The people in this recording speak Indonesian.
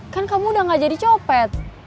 kan kamu udah gak jadi copet